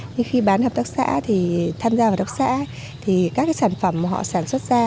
nhưng khi bán hợp tác xã thì tham gia hợp tác xã thì các cái sản phẩm mà họ sản xuất ra